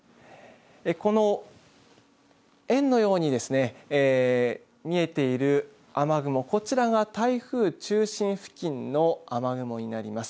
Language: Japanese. この円のように見えている雨雲、こちらが台風中心付近の雨雲になります。